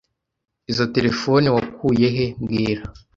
Izoi terefone wakuye he mbwira